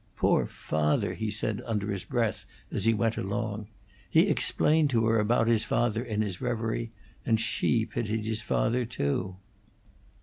"Poor father!" he said under his breath as he went along. He explained to her about his father in his reverie, and she pitied his father, too.